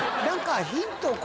何かヒント